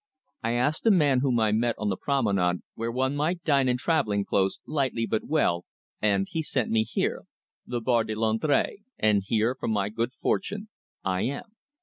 I asked a man whom I met on the promenade where one might dine in travelling clothes, lightly but well, and he sent me here the Bar de Londres and here, for my good fortune, I am."